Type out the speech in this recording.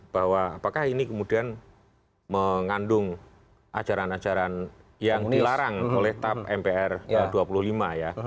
bahwa apakah ini kemudian mengandung ajaran ajaran yang dilarang oleh tap mpr dua puluh lima ya